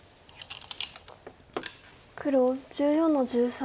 黒１４の十三。